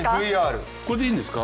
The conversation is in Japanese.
これでいいんですか。